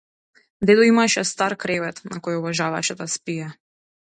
Дедо имаше стар кревет на кој обожаваше да спие.